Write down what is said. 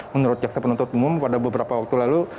menurut jaksa penuntut umum pada beberapa waktu lalu